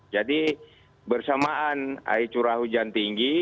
jadi bersamaan air curah hujan tinggi